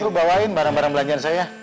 saya bawain barang barang belanjaan saya